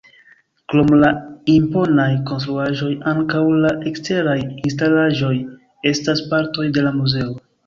Krom la imponaj konstruaĵoj ankaŭ la eksteraj instalaĵoj estas partoj de la muzeo.